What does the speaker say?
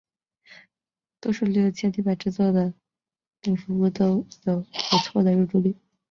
多数利用纤泥板制作的蝙蝠屋都有不错的入住率。